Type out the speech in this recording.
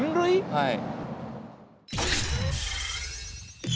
はい。